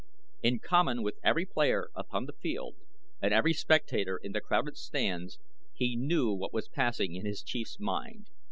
In common with every player upon the field and every spectator in the crowded stands he knew what was passing in his Chief's mind.